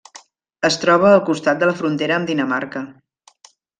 Es troba al costat de la frontera amb Dinamarca.